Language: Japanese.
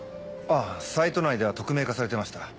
あぁサイト内では匿名化されてました。